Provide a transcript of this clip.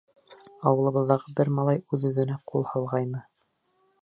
Ауылыбыҙҙағы бер малай үҙ-үҙенә ҡул һалғайны.